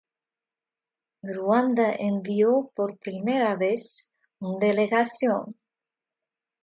Ruanda envió por primera vez un delegación.